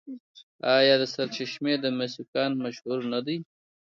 آیا د سرچشمې د مسو کان مشهور نه دی؟